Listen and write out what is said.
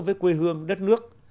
với quê hương đất nước